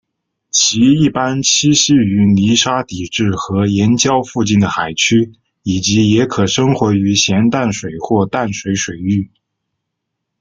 其一般栖息于泥沙底质和岩礁附近的海区以及也可生活于咸淡水或淡水水域。